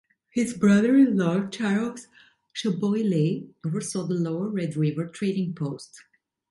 His brother-in-law, Charles Chaboillez, oversaw the Lower Red River trading post.